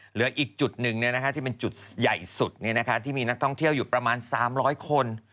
เหลืออีกจุดหนึ่งที่มีนักท่องเที่ยวอยู่ประมาณ๓๐๐คน